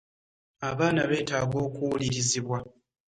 Abaana beetaaga okuwulirizibwa.